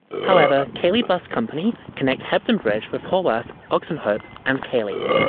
However, Keighley Bus Company connect Hebden Bridge with Haworth, Oxenhope and Keighley.